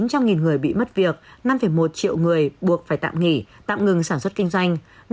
bốn trăm linh người bị mất việc năm một triệu người buộc phải tạm nghỉ tạm ngừng sản xuất kinh doanh